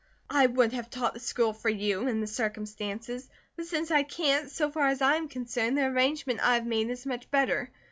I would have taught the school for you, in the circumstances, but since I can't, so far as I am concerned, the arrangement I have made is much better.